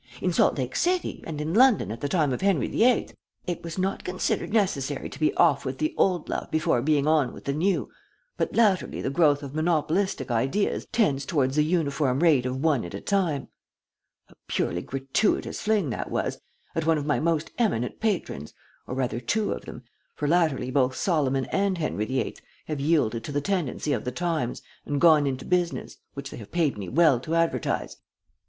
In Salt Lake City, and in London at the time of Henry the Eighth, it was not considered necessary to be off with the old love before being on with the new, but latterly the growth of monopolistic ideas tends towards the uniform rate of one at a time.' A purely gratuitous fling, that was, at one of my most eminent patrons, or rather two of them, for latterly both Solomon and Henry the Eighth have yielded to the tendency of the times and gone into business, which they have paid me well to advertise.